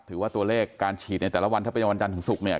ถือว่าตัวเลขการฉีดในแต่ละวันถ้าเป็นวันจันทร์ถึงศุกร์เนี่ย